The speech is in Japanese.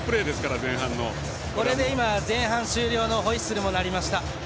前半終了のホイッスルも鳴りました。